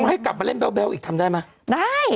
ให้กลับมาเล่นแบ๊วอีกทำได้ไหมได้